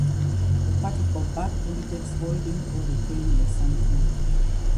The particle "back" indicates holding or retaining something.